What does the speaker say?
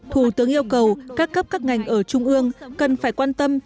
thủ tướng yêu cầu các cấp các ngành ở trung ương cần phải quan tâm